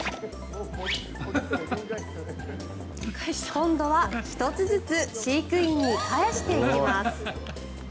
今度は１つずつ飼育員に返していきます。